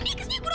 tidak saya mau